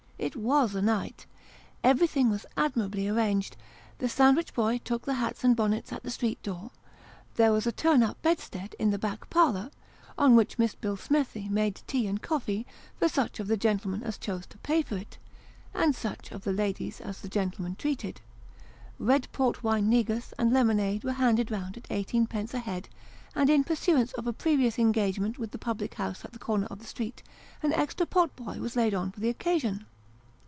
It teas a night ! Everything was admirably arranged. The sandwich boy took the hats and bonnets at the street door ; there was a turn up bedstead in the back parlour, on which Miss Billsmethi made tea and coffee for such of the gentlemen as chose to pay for it, and such of the ladies as the gentlemen treated ; red port wine negus and lemonade were handed round at eighteenpence a head ; and in pursuance of a previous engagement with the public house at the corner of the street, an extra potboy was laid on for the occasion.